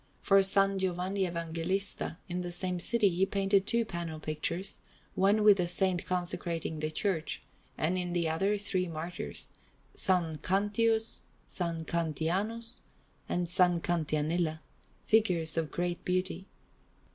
For S. Giovanni Evangelista, in the same city, he painted two panel pictures, one with that Saint consecrating the church, and in the other three martyrs, S. Cantius, S. Cantianus, and S. Cantianilla, figures of great beauty.